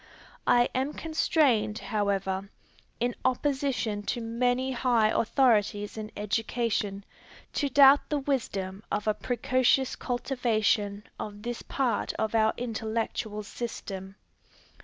I am constrained, however, in opposition to many high authorities in education, to doubt the wisdom of a precocious cultivation of this part of our intellectual system.